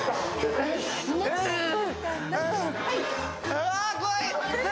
あ、怖い！